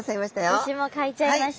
私も描いちゃいました。